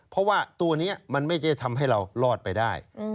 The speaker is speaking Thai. เพราะว่าตัวนี้มันไม่ใช่ทำให้เรารอดไปได้